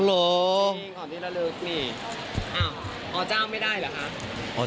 ของที่ระลึกนี่อ้าวอเจ้าไม่ได้เหรอคะ